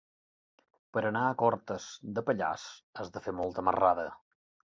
Per anar a Cortes de Pallars has de fer molta marrada.